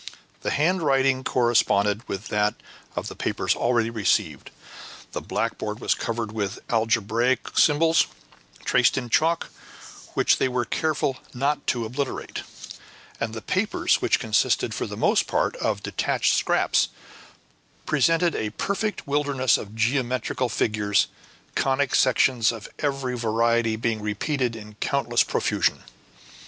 The handwriting corresponded with that of the papers already received; the blackboard was covered with algebraical symbols traced in chalk, which they were careful not to obliterate; and the papers, which consisted for the most part of detached scraps, presented a perfect wilderness of geometrical figures, conic sections of every variety being repeated in countless profusion.